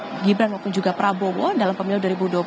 baik gibran maupun juga prabowo dalam pemilu dua ribu dua puluh empat